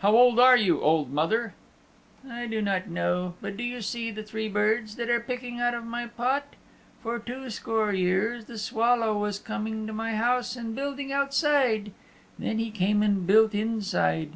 "How old are you, old mother?" "I do not know. But do you see the three birds that are picking out of my pot? For two score years the swallow was coming to my house and building outside. Then he came and built inside.